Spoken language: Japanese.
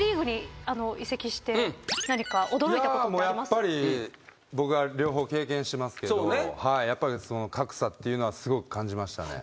やっぱり僕は両方経験してますけどその格差っていうのはすごく感じましたね。